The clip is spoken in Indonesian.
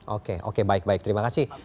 oke oke baik baik terima kasih